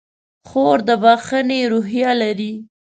خور د بښنې روحیه لري.